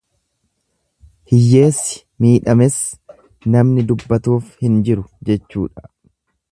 Hiyyeessi miidhames namni dubbatuuf hin jiru jechuudha.